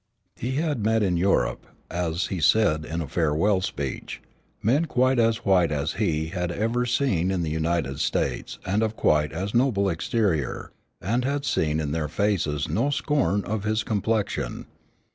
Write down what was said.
He had met in Europe, as he said in a farewell speech, men quite as white as he had ever seen in the United States and of quite as noble exterior, and had seen in their faces no scorn of his complexion.